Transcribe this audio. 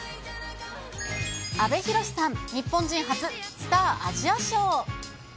阿部寛さん、日本人初、スター・アジア賞。